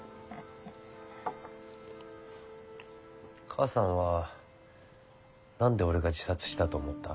母さんは何で俺が自殺したと思った？